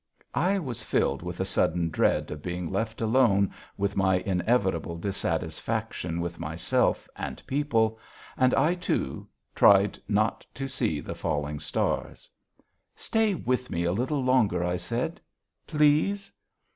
I was filled with a sudden dread of being left alone with my inevitable dissatisfaction with myself and people, and I, too, tried not to see the falling stars. "Stay with me a little longer," I said. "Please."